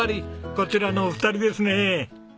こちらのお二人ですね。